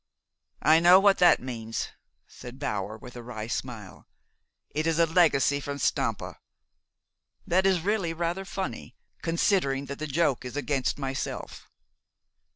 "I know what that means," said Bower, with a wry smile. "It is a legacy from Stampa. That is really rather funny, considering that the joke is against myself.